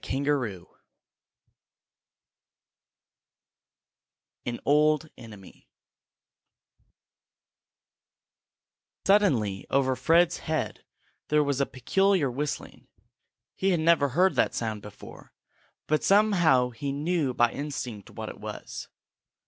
CHAPTER XVII AN OLD ENEMY Suddenly over Fred's head there was a peculiar whistling. He had never heard that sound before, but somehow he knew by instinct what it was.